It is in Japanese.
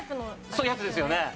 そういうやつですよね。